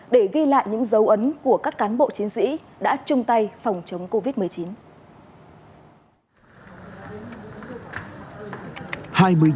để ghi lại những dấu ấn của các cán bộ chiến sĩ đã chung tay phòng chống covid một mươi chín